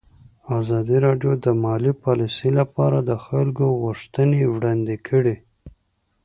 ازادي راډیو د مالي پالیسي لپاره د خلکو غوښتنې وړاندې کړي.